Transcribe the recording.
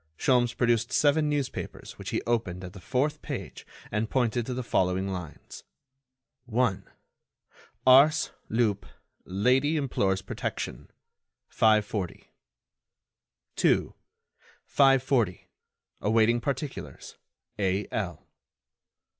Sholmes produced seven newspapers which he opened at the fourth page and pointed to the following lines: 1. Ars. Lup. Lady implores protection. 540. 2. 540. Awaiting particulars. A.L.